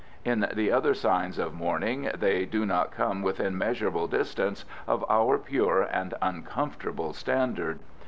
In the other signs of mourning they do not come within measurable distance of our pure and uncomfortable standard.